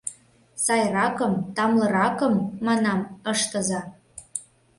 Сайракым, тамлыракым, манам, ыштыза.